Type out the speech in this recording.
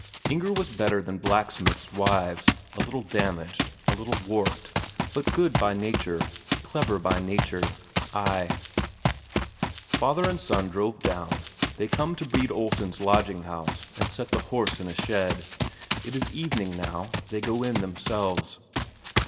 Inger was better than blacksmiths' wives a little damaged, a little warped, but good by nature, clever by nature ... ay.... Father and son drive down, they come to Brede Olsen's lodging house and set the horse in a shed. It is evening now. They go in themselves.